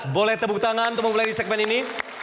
boleh tepuk tangan untuk memulai di segmen ini